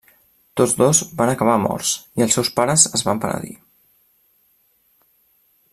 Tots dos van acabar morts i els seus pares es van penedir.